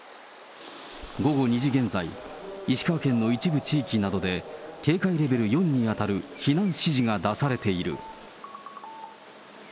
午後２時現在、石川県の一部地域などで、警戒レベル４に当たる避難指示が出されている。